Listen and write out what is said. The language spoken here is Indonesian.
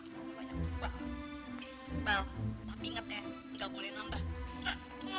sampai jumpa di video selanjutnya